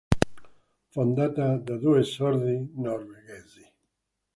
Fondata da due sordi norvegesi.